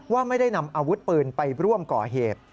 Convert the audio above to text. ว่าไม่ได้นำอาวุธปืนไปร่วมก่อเหตุ